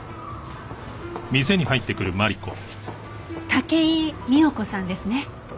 武井美代子さんですね？